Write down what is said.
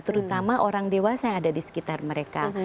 terutama orang dewasa yang ada di sekitar mereka